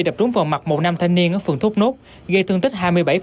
đập trúng vào mặt một nam thanh niên ở phường thốt nốt gây thương tích hai mươi bảy